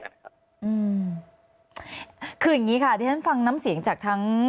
คืออย่างนี้ค่ะที่ฉันฟังน้ำเสียงจากทั้ง